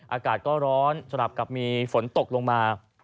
อากาศก็ร้อนสลับกับมีฝนตกลงมา